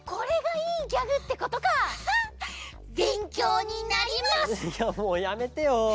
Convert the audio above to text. いやもうやめてよ。